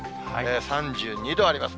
３２度あります。